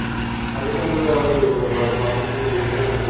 আটিক সম্প্রদায়ে আবার দুই প্রকার ভাব প্রথম, মহাশিল্পী ফিডিয়াসের প্রতিভাবল।